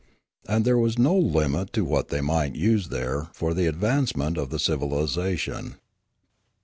And there was no limit to what they might use there for the ad vancement of civilisation.